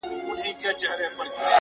• یوه ورځ ګورې چي ولاړ سي له جهانه ,